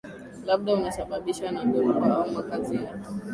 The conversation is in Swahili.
labda unasababishwa na dhoruba au makazi ya